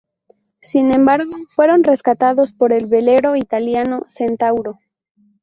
Sin embargo, fueron rescatados por el velero italiano "Centauro".